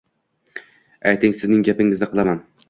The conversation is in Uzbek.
Ayting, sizning gapingizni qilaman